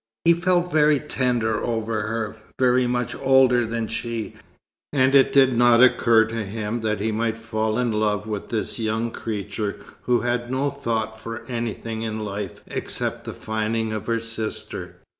He felt very tender over her, very much older than she, and it did not occur to him that he might fall in love with this young creature who had no thought for anything in life except the finding of her sister.